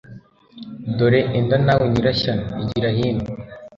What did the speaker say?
dore enda nawe nyirashyano igira hino